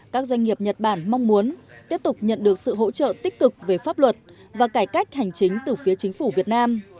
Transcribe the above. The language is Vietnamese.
các doanh nghiệp nhật bản mong muốn tiếp tục nhận được sự hỗ trợ tích cực về pháp luật và cải cách hành chính từ phía chính phủ việt nam